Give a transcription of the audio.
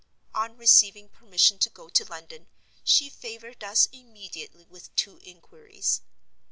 On receiving permission to go to London, she favored us immediately with two inquiries.